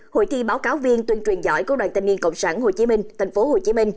hội thi báo cáo viên tuyên truyền giỏi của đoàn thanh niên cộng sản hồ chí minh tp hcm